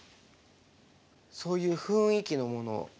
そういう雰囲気のものを。